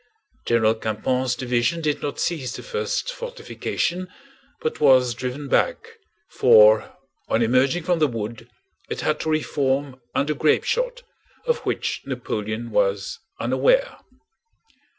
General Campan's division did not seize the first fortification but was driven back, for on emerging from the wood it had to reform under grapeshot, of which Napoleon was unaware.